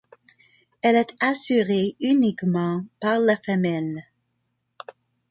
Elle est assurée uniquement par la femelle.